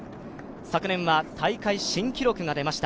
昨年は大会新記録が出ました。